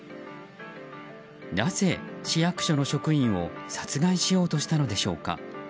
なぜ、市役所の職員を殺害しようとしたのでしょうか。